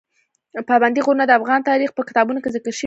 پابندي غرونه د افغان تاریخ په کتابونو کې ذکر شوي دي.